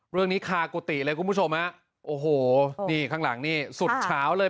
คากุฏิเลยคุณผู้ชมฮะโอ้โหนี่ข้างหลังนี่สุดเฉาเลย